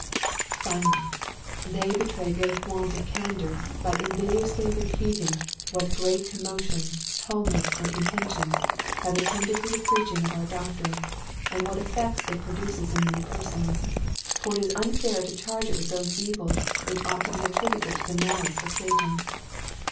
Finally, they betray great want of candour, by invidiously repeating what great commotions, tumults, and contentions, have attended the preaching of our doctrine, and what effects it produces in many persons. For it is unfair to charge it with those evils which ought to be attributed to the malice of Satan.